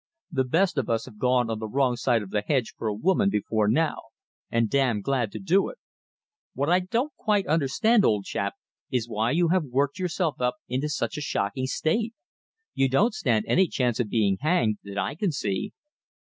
The best of us have gone on the wrong side of the hedge for a woman before now and damned glad to do it. What I can't quite understand, old chap, is why you have worked yourself up into such a shocking state. You don't stand any chance of being hanged, that I can see!"